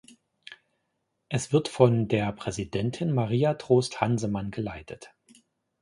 Es wird von der Präsidentin Maria Trost-Hansemann geleitet.